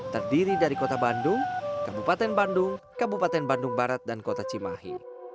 terdiri dari kota bandung kabupaten bandung kabupaten bandung barat dan kota cimahi